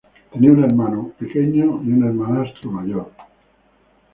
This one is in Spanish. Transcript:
Tenía un hermano pequeño y un hermanastro mayor.